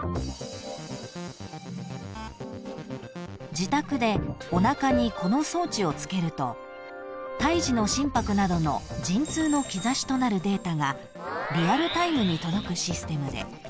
［自宅でおなかにこの装置をつけると胎児の心拍などの陣痛の兆しとなるデータがリアルタイムに届くシステムで］